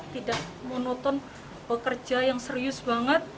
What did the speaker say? tidak monoton pekerja yang serius banget